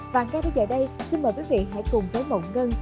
và ngay bây giờ đây xin mời quý vị hãy cùng với mộng ngân